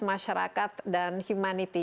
masyarakat dan humanity